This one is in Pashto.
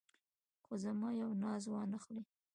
خو زما یو ناز وانه خلې.